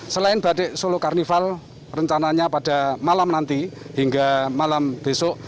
selain batik solo carnival rencananya pada malam nanti hingga malam besok